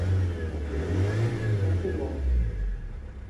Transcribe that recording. Environ en sont mortes.